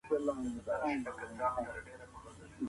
که تعصب وي علمي پايله نه ترلاسه کيږي.